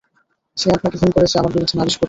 সে আপনাকে ফোন করেছে আমার বিরুদ্ধে নালিশ করতে!